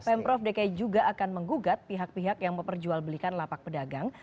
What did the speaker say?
pemprov dki juga akan menggugat pihak pihak yang memperjualbelikan lapak pedagang